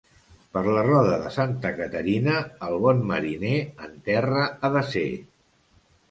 Per la roda de Santa Caterina, el bon mariner en terra ha de ser.